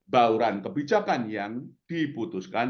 bauran kebijakan yang diputuskan